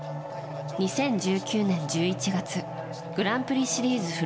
２０１９年１１月グランプリシリーズ